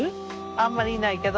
あんまりいないけど。